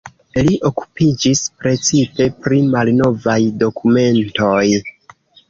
Li okupiĝis precipe pri malnovaj dokumentoj.